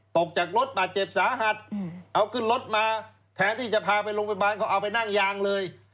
ตกจากรถบาดเจ็บสาหัสเอาขึ้นรถมาแทนที่จะพาไปโรงพยาบาลก็เอาไปนั่งยางเลย